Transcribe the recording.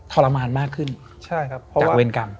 ทรมานมากขึ้นจากเวรกรรม